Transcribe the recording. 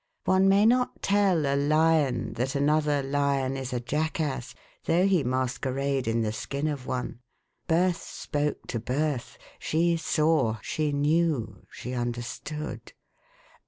One may not tell a lion that another lion is a jackass, though he masquerade in the skin of one. Birth spoke to Birth. She saw, she knew, she understood.